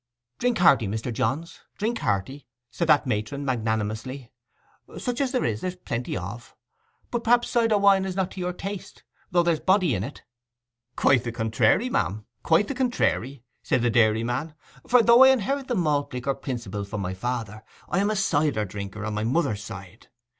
'Drink hearty, Mr. Johns—drink hearty,' said that matron magnanimously. 'Such as it is there's plenty of. But perhaps cider wine is not to your taste?—though there's body in it.' 'Quite the contrairy, ma'am—quite the contrairy,' said the dairyman. 'For though I inherit the malt liquor principle from my father, I am a cider drinker on my mother's side.